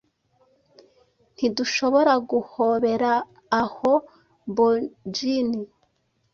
Ntiduhobora guhoberaaho bojnin